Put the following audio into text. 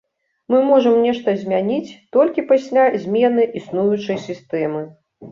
Мы можам нешта змяніць толькі пасля змены існуючай сістэмы.